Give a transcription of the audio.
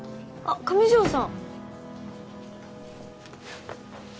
上条さん